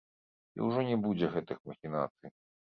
І ўжо не будзе гэтых махінацый.